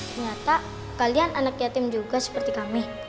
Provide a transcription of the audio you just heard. ternyata kalian anak yatim juga seperti kami